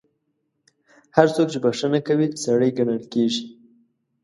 هر څوک چې بخښنه کوي، سړی ګڼل کیږي.